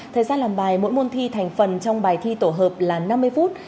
thời gian làm bài mỗi môn thi thành phần trong bài thi tổ hợp là năm mươi phút